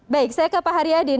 baik saya ke pak haryadin